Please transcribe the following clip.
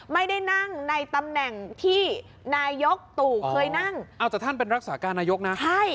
ไม่ได้นั่งในตำแหน่งที่นายกตู่เคยนั่งเอาแต่ท่านเป็นรักษาการนายกนะใช่